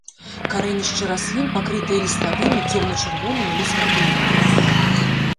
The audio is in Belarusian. Карэнішчы раслін пакрытыя ліставымі цёмна-чырвонымі лускавінкамі.